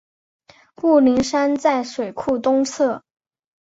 雾灵山在水库东侧。